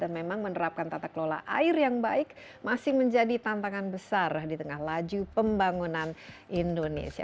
dan memang menerapkan tata kelola air yang baik masih menjadi tantangan besar di tengah laju pembangunan indonesia